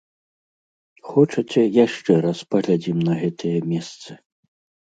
Хочаце, яшчэ раз паглядзім на гэтыя месцы!